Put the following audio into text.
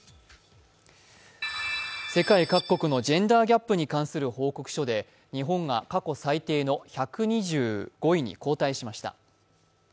世界各国のジェンダーギャップに関する報告書で日本が過去最低の１２５位に後退しました。